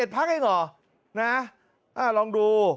๑๑พักเองเหรอลองดู